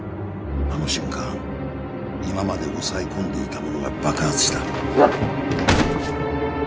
あの瞬間今まで抑え込んでいたものが爆発した。